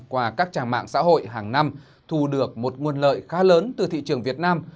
qua các trang mạng xã hội hàng năm thu được một nguồn lợi khá lớn từ thị trường việt nam